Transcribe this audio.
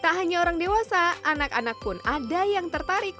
tak hanya orang dewasa anak anak pun ada yang tertarik